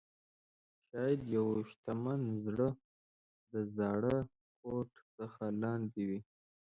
شاید یو شتمن زړه د زاړه کوټ څخه لاندې وي.